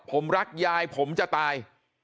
ผมรักยายผมจะตาย